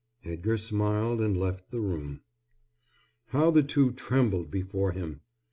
Edgar smiled and left the room. How the two trembled before him!